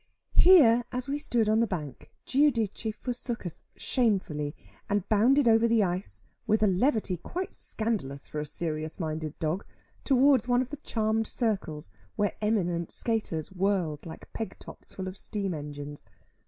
Here as we stood on the bank, Giudice forsook us shamefully, and bounded over the ice, with a levity quite scandalous for a serious minded dog, towards one of the charmed circles, where eminent skaters whirled, like peg tops full of steam engines.